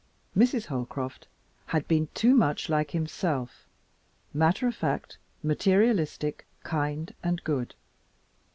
Mrs. Holcroft had been too much like himself, matter of fact, materialistic, kind, and good.